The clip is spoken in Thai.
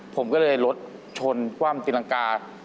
ผมก็เลยรถชนคว่ำตีรังกา